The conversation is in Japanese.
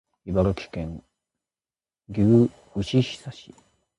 茨城県牛久市